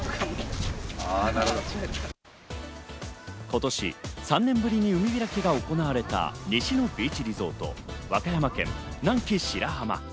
今年３年ぶりに海開きが行われた西のビーチリゾート、和歌山県南紀白浜。